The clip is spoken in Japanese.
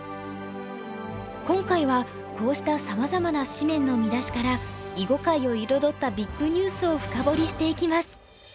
今回はこうしたさまざまな紙面の見出しから囲碁界を彩ったビッグニュースを深掘りしていきます。